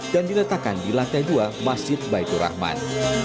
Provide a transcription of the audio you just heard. dan diletakkan di lantai dua masjid baitul rahman